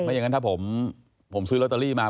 อย่างนั้นถ้าผมซื้อลอตเตอรี่มา